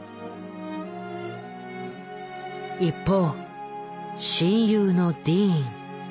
一方親友のディーン。